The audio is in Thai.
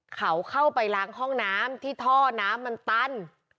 เขาเข้าไปล้างห้องน้ำที่ท่อน้ำมันตัน